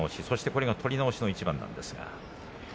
これが取り直しの一番です。